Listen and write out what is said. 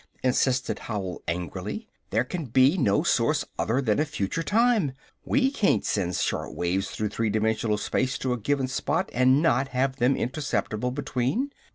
insisted Howell angrily. "There can be no source other than a future time! You can't send short waves through three dimensional space to a given spot and not have them interceptible between.